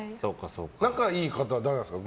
仲がいい方は誰なんですか？